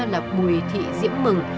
là bùi thị diễm mừng